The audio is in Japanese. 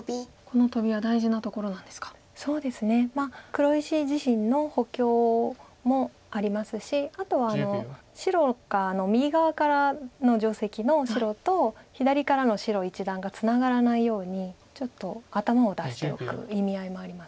黒石自身の補強もありますしあとは白が右側からの定石の白と左からの白一団がツナがらないようにちょっと頭を出しておく意味合いもあります。